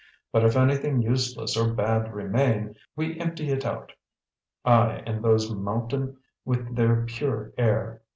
But if anything useless or bad remain, we empty it out I and those mountain' with their pure air.